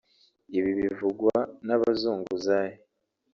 Ibi bivugwa n’ abazunguzayi